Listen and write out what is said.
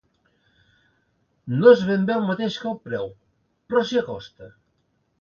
No és ben bé el mateix que el preu, però s'hi acosta.